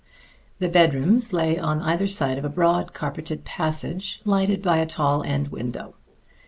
The bedrooms lay on either side of a broad carpeted passage, lighted by a tall end window.